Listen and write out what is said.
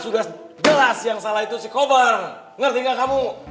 sudah jelas yang salah itu si kobar ngerti nggak kamu